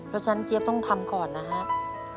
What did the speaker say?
เพราะฉะนั้นเจี๊ยบต้องทำก่อนนะครับ